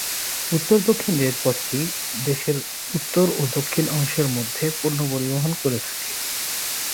উত্তর দক্ষিণ রেলপথ টি দেশের উত্তর ও দক্ষিণ অংশের মধ্যে পণ্য পরিবহন করে থাকে।